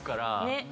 ねっ。